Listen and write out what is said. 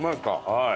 はい。